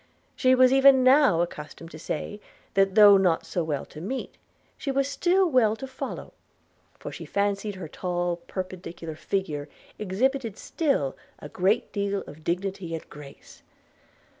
She was even now accustomed to say, that though not so well to meet, she was still well to follow, for she fancied her tall perpendicular figure exhibited still a great deal of dignity and grace.